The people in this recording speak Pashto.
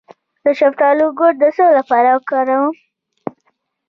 د شفتالو ګل د څه لپاره وکاروم؟